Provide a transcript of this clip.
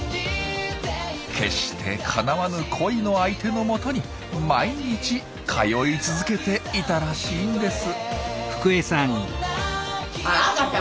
決してかなわぬ恋の相手のもとに毎日通い続けていたらしいんです。